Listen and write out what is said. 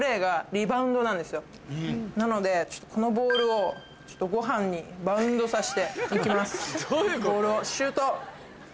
なのでこのボールをご飯にバウンドさせて。